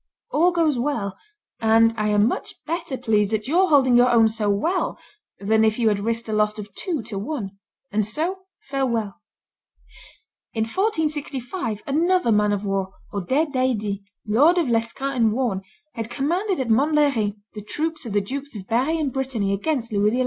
All goes well; and I am much better pleased at your holding your own so well than if you had risked a loss of two to one. And so, farewell!" In 1465, another man of war, Odet d'Aydie, Lord of Lescun in Warn, had commanded at Montlhery the troops of the Dukes of Berry and Brittany against Louis XI.